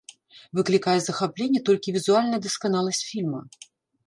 Выклікае захапленне толькі візуальная дасканаласць фільма.